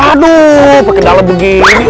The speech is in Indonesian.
aduh perkenalan begini